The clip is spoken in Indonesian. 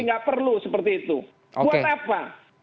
nggak perlu seperti itu buat apa